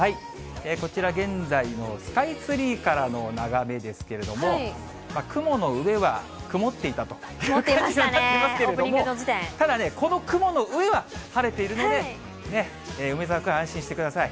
こちら、現在のスカイツリーからの眺めですけれども、雲の上は曇っていたという感じでしたけれども、ただね、この雲の上は晴れているので、梅澤君、安心してください。